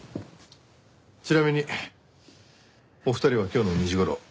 ちなみにお二人は今日の２時頃どちらに？